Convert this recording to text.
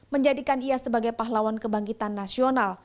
menjadikan ia sebagai pahlawan kebangkitan nasional